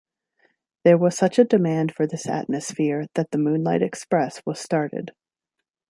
There was such a demand for this atmosphere that the "Moonlight Express" was started.